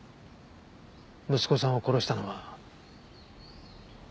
息子さんを殺したのはあなただ。